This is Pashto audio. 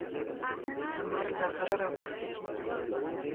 لمر له غره راپورته کیږي.